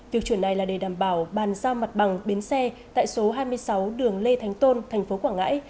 việc chuyển này là để đảm bảo bàn giao mặt bằng bến xe tại số hai mươi sáu đường lê thánh tôn thành phố quảng ngãi